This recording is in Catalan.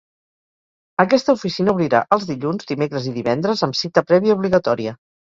Aquesta oficina obrirà els dilluns, dimecres i divendres amb cita prèvia obligatòria.